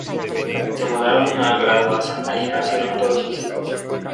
Se mudaron a Guaduas, allí nacieron todos sus hijos.